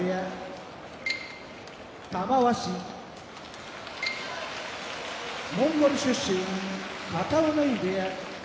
玉鷲モンゴル出身片男波部屋